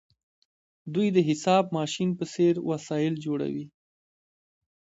دوی د حساب ماشین په څیر وسایل جوړوي.